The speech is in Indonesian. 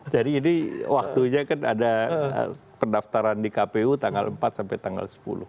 jadi ini waktunya kan ada pendaftaran di kpu tanggal empat sampai tanggal sepuluh